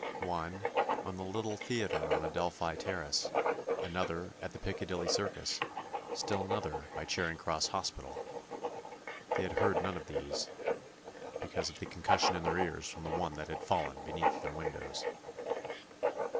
One on the little Theatre on Adelphi Terrace; another at the Piccadilly Circus; still another by Charing Cross Hospital. They had heard none of these, because of the concussion in their ears from the one that had fallen beneath their windows.